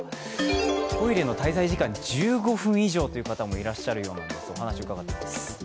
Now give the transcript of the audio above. トイレの滞在時間、１５分以上という方もいらっしゃるようなんです。